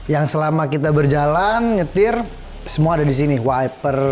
yang selama kita berjalan nyetir semua ada di sini wiper